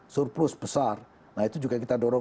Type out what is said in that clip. surplus besar nah itu juga kita dorong